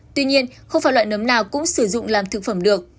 tuy nhiên không phải loại nấm nào cũng sử dụng làm thực phẩm được